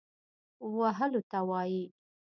وهلو ته وايي.